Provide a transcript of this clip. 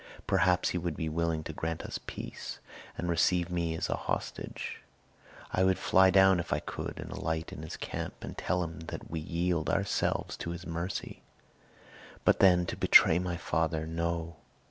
Perhaps he would be willing to grant us peace, and receive me as a hostage. I would fly down, if I could, and alight in his camp, and tell him that we yield ourselves to his mercy. But then, to betray my father! No!